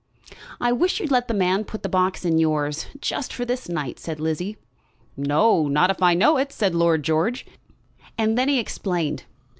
"I wish you'd let the man put the box in yours; just for this night," said Lizzie. "No; not if I know it," said Lord George. And then he explained.